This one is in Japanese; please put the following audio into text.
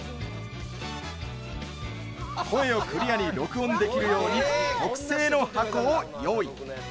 声をクリアに録音できるように特製の箱を用意。